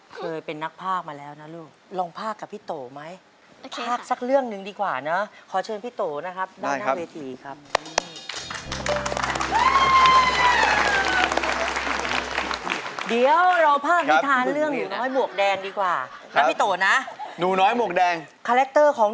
เคยค่ะบางทีก็ปิดเสียงการ์ตูนแล้วภาคเองบ้าง